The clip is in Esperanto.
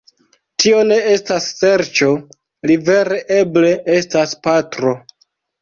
Tio ne estas ŝerco, li vere eble estas patro